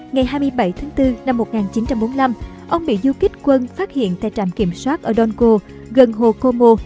ngày hai mươi bảy tháng bốn một nghìn chín trăm bốn mươi năm ông bị du kích quân phát hiện tại trạm kiểm soát ở don go gần hồ como